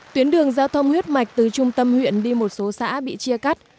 tuyến đường giao thông huyết mạch từ trung tâm huyện đi một số xã bị chia cắt